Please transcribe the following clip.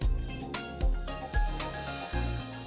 tim liputan cnn jakarta